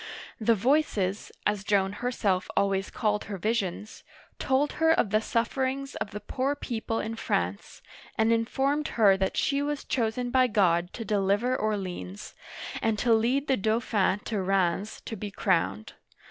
The " voices," as Joan herself always called her visions, told her of the suf ferings of the poor people in France, and informed her that she was chosen by God to deliver Orleans, and to lead the Dauphin to Rheims to be crowned.